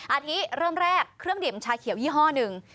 อาทิตย์เริ่มแรกเครื่องดื่มชาเขียวยี่ห้อหนึ่ง